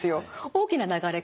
大きな流れ